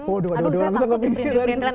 aduh bisa tonton di perintilan